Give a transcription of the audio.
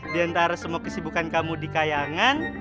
diantara semua kesibukan kamu di kayangan